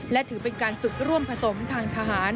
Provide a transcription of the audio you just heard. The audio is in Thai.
และถือเป็นการฝึกร่วมผสมทางทหาร